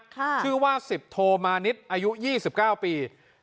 ค่ะชื่อว่าสิบโทมานิดอายุยี่สิบเก้าปี